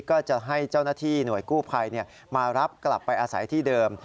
ก็จะให้เจ้าหน้าที่หน่วยกู้ภัยมารับกลับไปอาศัยที่เดิม